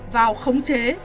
vào khống chế